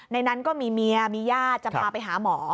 นั้นก็มีเมียมีญาติจะพาไปหาหมอ